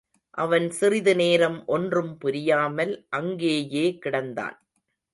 அவன் சிறிது நேரம் ஒன்றும் புரியாமல் அங்கேயே கிடந்தான்.